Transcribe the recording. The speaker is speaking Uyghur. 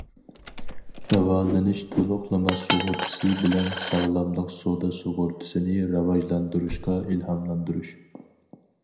داۋالىنىش تولۇقلىما سۇغۇرتىسى بىلەن ساغلاملىق سودا سۇغۇرتىسىنى راۋاجلاندۇرۇشقا ئىلھاملاندۇرۇش.